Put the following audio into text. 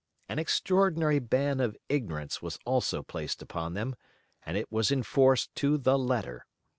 An extraordinary ban of ignorance was also placed upon them, and it was enforced to the letter.